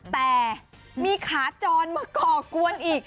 แต่มีขาจรมาก่อกวนอีก